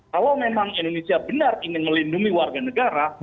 kalau memang indonesia benar ingin melindungi warga negara